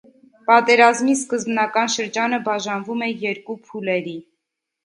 Պատերազմի սկզբնական շրջանը բաժանվում է երկու փուլերի։